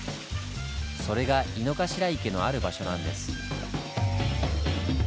それが井の頭池のある場所なんです。